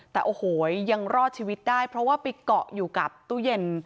แต่โอ้โหยังรอดชีวิตได้เพราะว่าไปเกาะอยู่กับตู้เย็น